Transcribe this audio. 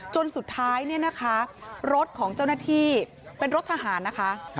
จนสุดท้ายรถของเจ้าหน้าที่เป็นรถทหารนะคะ